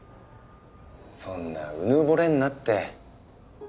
そんなうぬぼれんなって。